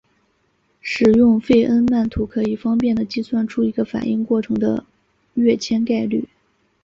使用费恩曼图可以方便地计算出一个反应过程的跃迁概率。